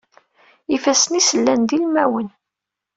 Ifassen-is llan d ilmawen.